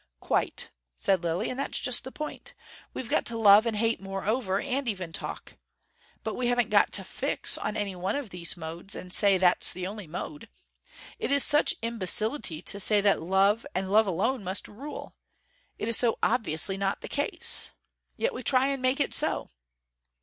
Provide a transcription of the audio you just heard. "Quite," said Lilly. "And that's just the point. We've got to love and hate moreover and even talk. But we haven't got to fix on any one of these modes, and say that's the only mode. It is such imbecility to say that love and love alone must rule. It is so obviously not the case. Yet we try and make it so."